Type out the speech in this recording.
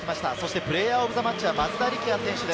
プレーヤー・オブ・ザ・マッチは松田選手です。